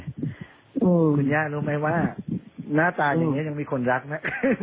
คุณย่ารู้ไหมว่าหน้าตาอย่างนี้ยังมีคนรักนะ